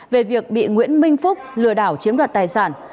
về việc bị nguyễn minh phúc lừa đảo chiếm đoạt tài sản